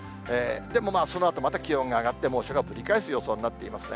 でもそのあとまた気温が上がって猛暑がぶり返す予報になっていますね。